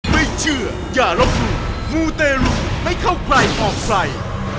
ไม่เชื่ออย่ารบหลุมมูเตรุไม่เข้าไกลออกไกล